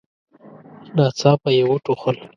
ناڅاپه يې وټوخل.